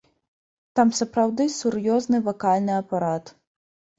Там сапраўды сур'ёзны вакальны апарат.